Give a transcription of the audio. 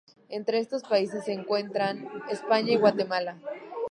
Entre estos países se encuentran España y Guatemala.